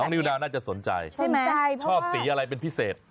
น้องนิวนาวน่าจะสนใจชอบสีอะไรเป็นพิเศษ